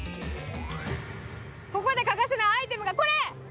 ここで欠かせないアイテムがこれ！